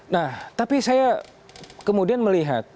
nah tapi saya kemudian melihat